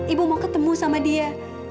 ibu mau ketemu sama dia